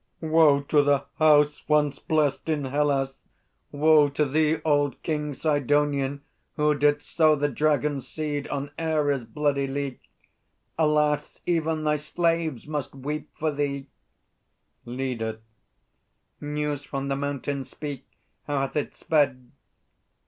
Woe to the house once blest in Hellas! Woe To thee, old King Sidonian, who didst sow The dragon seed on Ares' bloody lea! Alas, even thy slaves must weep for thee! LEADER. News from the mountain? Speak! How hath it sped?